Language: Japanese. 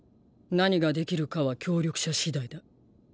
何ができるかは協力者次第だ。